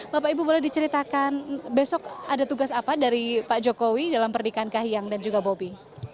bapak ibu boleh diceritakan besok ada tugas apa dari pak jokowi dalam pernikahan kahiyang dan juga bobi